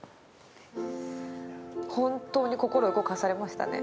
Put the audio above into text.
本当に心動かされましたね。